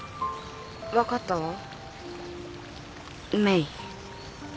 分かったわメイ。